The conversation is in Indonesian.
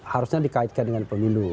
harusnya dikaitkan dengan pemilu